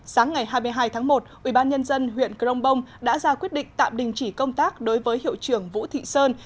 sáng ngày hai mươi hai tháng một ubnd huyện crong bông đã ra quyết định tạm đình chỉ công tác đối với hiệu trưởng vũ thị sơn